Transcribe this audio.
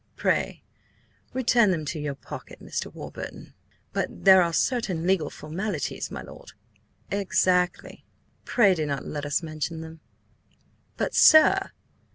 Pray return them to your pocket, Mr. Warburton." "But there are certain legal formalities, my lord—" "Exactly. Pray do not let us mention them!" "But, sir!"